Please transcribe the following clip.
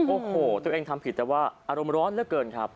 โอ้โหตัวเองทำผิดแต่ว่าอารมณ์ร้อนเหลือเกินครับ